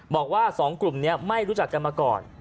บอกว่า๒กลุ่มนี้ไม่รู้จักกันมาก่อน